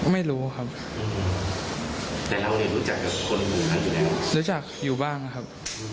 ไม่ค่อยครับ